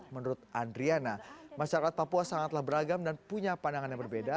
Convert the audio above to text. menurut andriana masyarakat papua sangatlah beragam dan punya pandangan yang berbeda